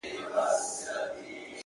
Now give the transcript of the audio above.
وروسته له ده د چا نوبت وو رڼا څه ډول وه”